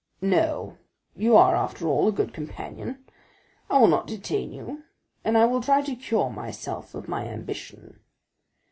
"No; you are, after all, a good companion; I will not detain you, and will try to cure myself of my ambition."